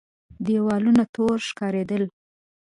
دېوالونه تور ښکارېدل.